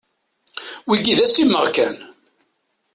Wagi d assimeɣ kan.